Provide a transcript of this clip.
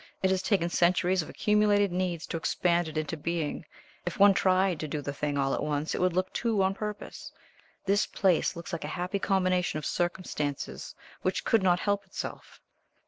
It has taken centuries of accumulated needs to expand it into being. If one tried to do the thing all at once it would look too on purpose. This place looks like a happy combination of circumstances which could not help itself."